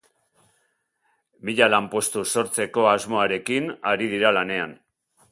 Mila lanpostu sortzeko asmoarekin ari dira lanean.